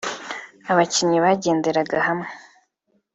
abakinnyi bagenderaga hamwe